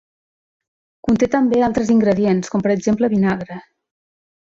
Conté també altres ingredients com per exemple vinagre.